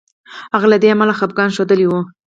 هغه له دې امله خپګان ښودلی وو.